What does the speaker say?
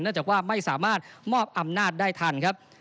เนื่องจากว่าไม่สามารถมอบอำนาจได้ทัน